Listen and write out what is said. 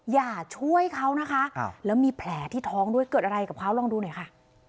อย่าช่วยเขานะคะแล้วมีแผลที่ท้องด้วยเกิดอะไรกับเขาลองดูหน่อยค่ะ